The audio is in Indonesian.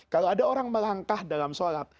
kalau ada orang melangkah dalam sholat